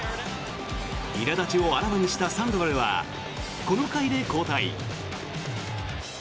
いら立ちをあらわにしたサンドバルはこの回で交代。